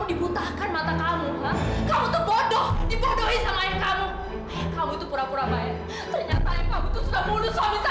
dengan anak saya anak saya itu menjadi anak ganda